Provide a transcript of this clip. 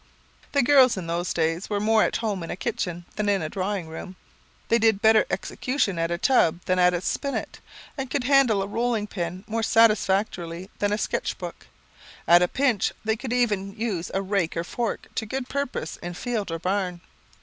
The girls in those days were more at home in a kitchen than a drawing room. They did better execution at a tub than at a spinet, and could handle a rolling pin more satisfactorily than a sketch book. At a pinch, they could even use a rake or fork to good purpose in field or barn.